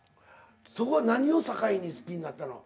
そこは何を境に好きになったの？